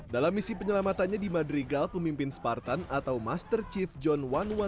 dalam misi penyelamatannya di madrigal pemimpin spartan atau master chief john satu ratus dua belas